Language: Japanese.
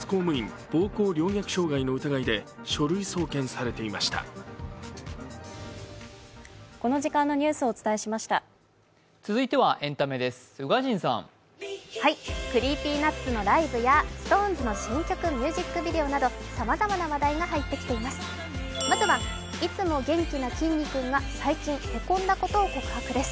ＣｒｅｅｐｙＮｕｔｓのライブやＳｉｘＴＯＮＥＳのミュージックビデオなどさまざまな話題が入ってきています。